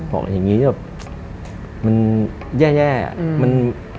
บอกอย่างนี้มันแย่มัน